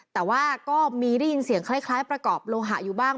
แต่ว่าก็มีได้ยินเสียงคล้ายประกอบโลหะอยู่บ้าง